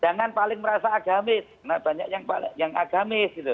jangan paling merasa agamis nah banyak yang agamis gitu